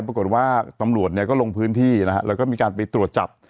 ปรากฏว่าตำรวจเนี่ยก็ลงพื้นที่นะฮะแล้วก็มีการไปตรวจจับ